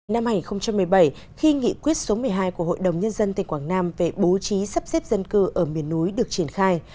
năm hai nghìn một mươi bảy khi nghị quyết số một mươi hai của hội đồng nhân dân tỉnh quảng nam về bố trí sắp xếp dân cư ở miền núi được triển khai